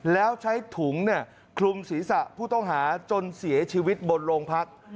แล้วใช้ถุงคลุมศีรษะผู้ต้องหาจนเสียชีวิตบนโรงพัก